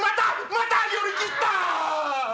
また寄り切った！